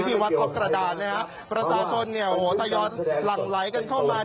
ที่วัดทัพกระดานนะฮะประชาชนเนี่ยโอ้โหตะย้อนหลังไหลกันเข้ามา